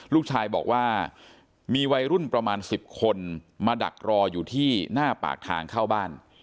ลูกชายบอกว่ามีวัยรุ่นประมาณ๑๐คนมาดักรออยู่ที่หน้าปากทางเข้าบ้าน